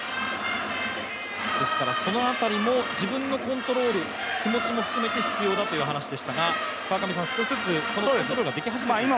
その辺りも自分のコントロール、気持ちも含めて必要だという話でしたが、少しずつコントロールができはじめましたね。